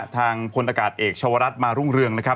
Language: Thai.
ทางพลอากาศเอกชาวรัฐมารุ่งเรืองนะครับ